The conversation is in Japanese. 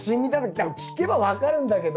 多分聞けば分かるんだけど。